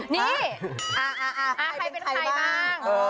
นี่ใครเป็นใครบ้าง